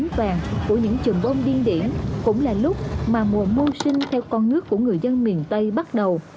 đây là lúc mà mùa mô sinh theo con nước của người dân miền tây bắt đầu